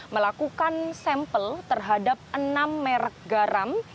melakukan sampel terhadap enam merek garam